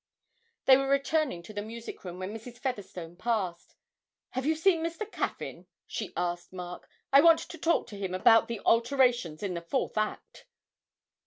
They were returning to the music room when Mrs. Featherstone passed. 'Have you seen Mr. Caffyn?' she asked Mark. 'I want to talk to him about the alterations in the fourth act.'